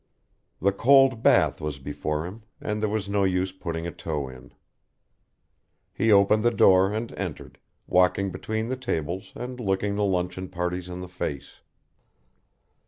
The cold bath was before him, and there was no use putting a toe in. He opened the door and entered, walking between the tables and looking the luncheon parties in the face.